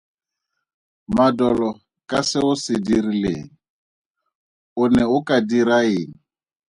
Madolo ka se o se dirileng, o ne o ka dira eng?